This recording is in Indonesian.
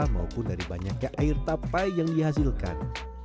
maupun dari banyaknya air tapai yang dihasilkan